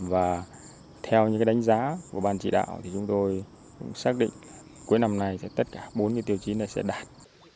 và theo những đánh giá của bàn chỉ đạo chúng tôi xác định cuối năm này tất cả bốn tiêu chí này sẽ đạt